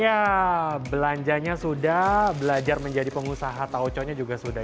nah belanjanya sudah belajar menjadi pengusaha taoconya juga sudah